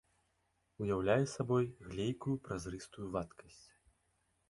Уяўляе сабой глейкую празрыстую вадкасць.